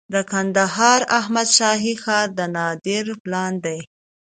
د کندهار احمد شاهي ښار د نادر پلان دی